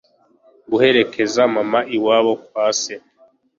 guherekeza mama iwabo kwa se